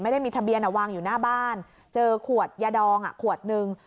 ไม่ได้มีทะเบียนวางอยู่หน้าบ้านเจอขวดยาดองขวดหนึ่ง